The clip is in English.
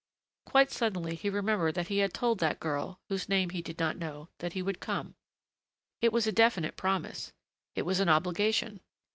Quite suddenly he remembered that he had told that girl, whose name he did not know, that he would come. It was a definite promise. It was an obligation.